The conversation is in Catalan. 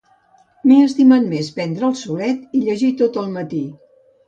M'he estimat més prendre el solet i llegir tot el matí.